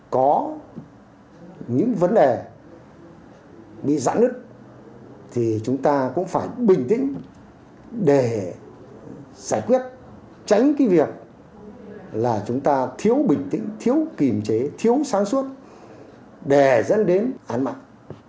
có những vấn đề bị giãn nứt thì chúng ta cũng phải bình tĩnh để giải quyết tránh cái việc là chúng ta thiếu bình tĩnh thiếu kìm chế thiếu sáng suốt để dẫn đến án mạng